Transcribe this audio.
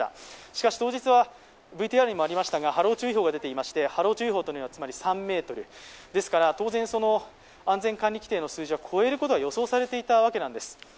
しかし当日はＶＴＲにもありましたが波浪注意報が出ていまして、波浪注意報はつまり３ｍ、ですから、当然、安全管理規程の数字を超えることは予想されていたわけなんです。